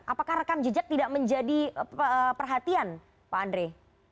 apakah rekam jejak tidak menjadi perhatian pak andre